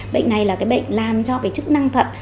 bệnh này là bệnh làm cho chức năng thận